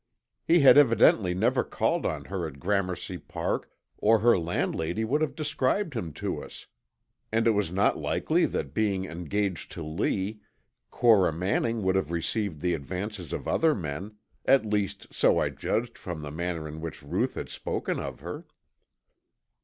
He had evidently never called on her at Gramercy Park or her landlady would have described him to us, and it was not likely that being engaged to Lee, Cora Manning would have received the advances of other men, at least so I judged from the manner in which Ruth had spoken of her.